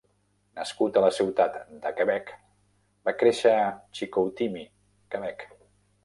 Nascut a la ciutat de Quebec, va créixer a Chicoutimi, Quebec.